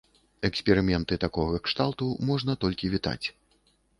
Эксперыменты такога кшталту можна толькі вітаць.